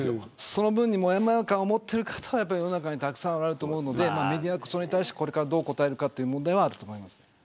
その文に、もやもや感を持っている方はたくさんいると思うのでメディアは、それに対してどう応えるかという問題はあると思います。